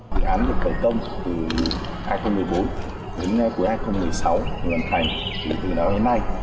dự án được khởi công từ hai nghìn một mươi bốn đến cuối hai nghìn một mươi sáu hoàn thành từ đó đến nay